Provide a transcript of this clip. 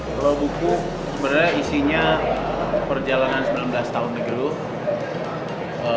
soal buku sebenarnya isinya perjalanan sembilan belas tahun the groove